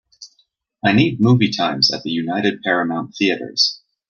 I need movie times at United Paramount Theatres